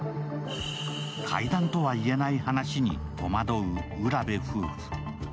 怪談とは言えない話に戸惑う浦部夫婦。